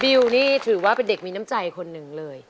วิวนี่ถือว่าเป็นเด็กมีน้ำใจคนหนึ่งเลย